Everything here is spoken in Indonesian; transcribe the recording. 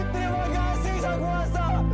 terima kasih sang kuasa